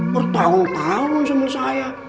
bertahun tahun semua saya